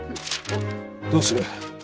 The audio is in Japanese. どうする。